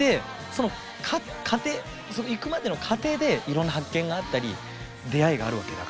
その行くまでの過程でいろんな発見があったり出会いがあるわけだから。